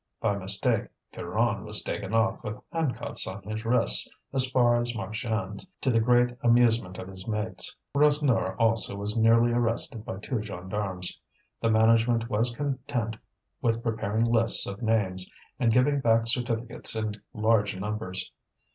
By mistake, Pierron was taken off with handcuffs on his wrists as far as Marchiennes, to the great amusement of his mates. Rasseneur, also, was nearly arrested by two gendarmes. The management was content with preparing lists of names and giving back certificates in large numbers.